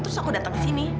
terus aku datang kesini